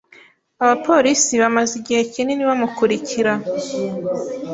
Abapolisi bamaze igihe kinini bamukurikira.